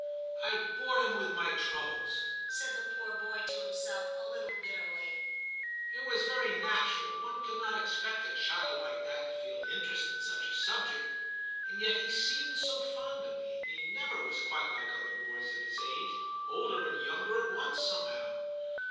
* I bored him with my troubles,* said the poor boy to himself a little bitterly ;* it was I XII TIM 277 very natural ; one could not expect a child like that to feel interest in such a subject. And yet he seemed so fond of me, and he never was quite like other boys of his age — older and younger at once, somehow.